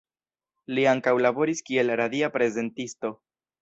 Li ankaŭ laboris kiel radia prezentisto.